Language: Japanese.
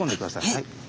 はい。